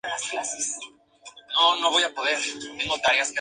En realidad no tomó parte de piezas de Haydn para la obra.